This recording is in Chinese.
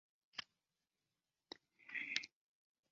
在田里也需帮忙